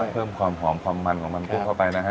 เพิ่มความหอมความมันของมันซุปเข้าไปนะฮะ